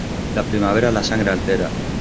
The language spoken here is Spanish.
La primavera la sangre altera.